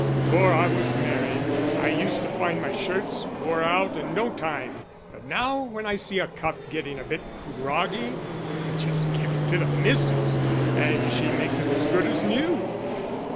"Before I was married I used to find my shirts wore out in no time, but now when I see a cuff getting a bit groggy I just give it to the Missis and she makes it as good as new."